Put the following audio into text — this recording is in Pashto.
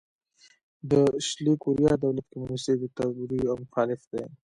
د شلي کوریا دولت کمونیستي دیکتاتوري او مخالف دی.